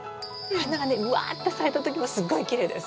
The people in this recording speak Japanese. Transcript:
花がねうわって咲いた時もすっごいきれいです。